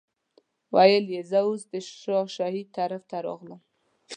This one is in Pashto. ویل یې زه اوس د شاه شهید طرف ته راغلم.